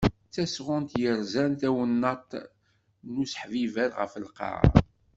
D tasɣunt yerzan tawennaṭ d useḥbiber ɣef Lqaɛa.